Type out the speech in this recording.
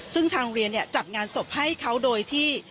ซึ่งทางโรงเรียนจัดงานศพให้เขาโดยที่